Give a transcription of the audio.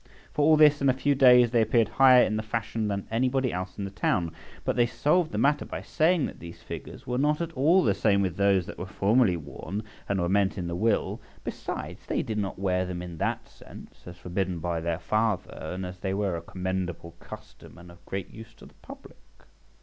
For all this, in a few days they appeared higher in the fashion than anybody else in the town. But they solved the matter by saying that these figures were not at all the same with those that were formerly worn and were meant in the will; besides, they did not wear them in that sense, as forbidden by their father, but as they were a commendable custom, and of great use to the public.